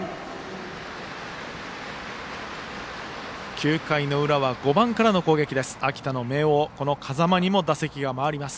９回の裏は５番からの攻撃です。